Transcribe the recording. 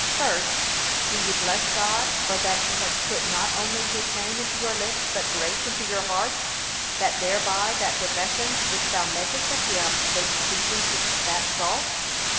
First, Do you bless God, for that he has put not only his name into your lips, but grace into your hearts, that thereby that profession which thou makest of him may be seasoned with that salt.